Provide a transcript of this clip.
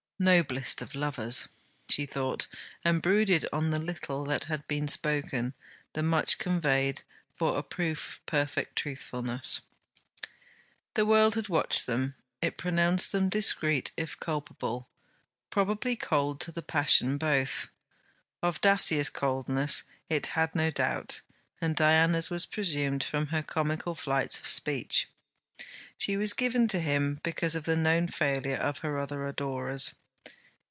Noblest of lovers! she thought, and brooded on the little that had been spoken, the much conveyed, for a proof of perfect truthfulness. The world had watched them. It pronounced them discreet if culpable; probably cold to the passion both. Of Dacier's coldness it had no doubt, and Diana's was presumed from her comical flights of speech. She was given to him because of the known failure of her other adorers.